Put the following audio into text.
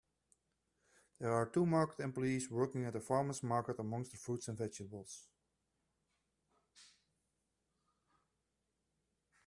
There are two market employees working at a farmer 's market amongst the fruits and vegetables.